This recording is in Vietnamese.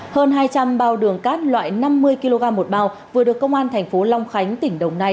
hơn hai trăm linh bao đường cát loại năm mươi kg một bao vừa được công an thành phố long khánh tỉnh đồng nai